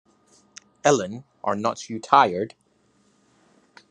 Ellen, are not you tired?